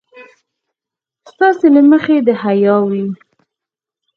ستاسې له مخې د حيا وي.